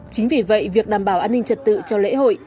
chính vì vậy việc đảm bảo an ninh trật tự cho lễ hội